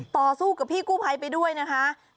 ต่อสู้กับพี่กู้ภัยไปด้วยนะคะ